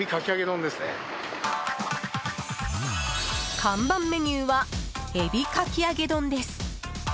看板メニューは海老かき揚丼です。